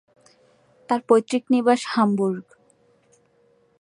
তার পৈতৃক নিবাস হামবুর্গ।